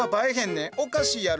おかしいやろ。